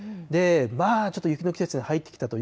ちょっと雪の季節に入ってきたと